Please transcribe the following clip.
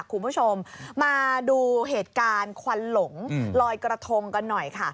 คุณผู้ชมมาดูเหตุการณ์ควันหลงลอยกระทงกันหน่อยค่ะ